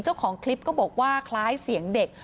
เจ้าของคลิปก็บอกว่าคล้ายเสียงเด็ก